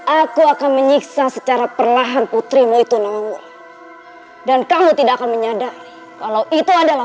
aku akan menyiksa secara perlahan putrimu itu nanggung dan kamu tidak akan menyadari kalau itu adalah